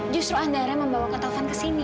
justru andara membawa ketaufan kesini